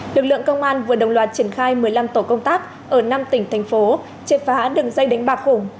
lực lượng công an vừa đồng loạt triển khai một mươi năm tổ công tác ở năm tỉnh thành phố triệt phá đường dây đánh bạc khủng